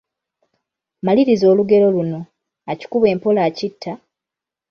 Maliriza olugero luno: Akikuba empola akitta, …….